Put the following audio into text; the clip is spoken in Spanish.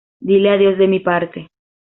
Dile adiós de mi parte.